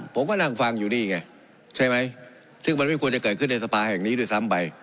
ผมก็นั่งฟังอยู่นี่ไงใช่ไหมซึ่งมันไม่ควรจะเกิดขึ้นในสภาแห่งนี้ด้วยซ้ำไป